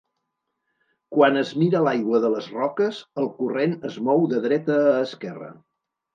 Quan es mira l'aigua de les roques, el corrent es mou de dreta a esquerra.